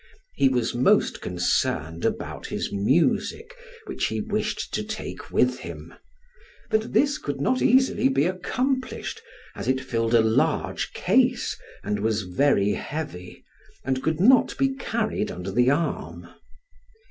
He was most concerned about his music, which he wished to take with him; but this could not easily be accomplished, as it filled a large case, and was very heavy, and could not be carried under the arm.